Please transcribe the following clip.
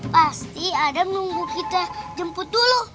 pasti adam nunggu kita jemput dulu